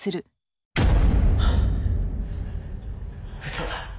「嘘だ」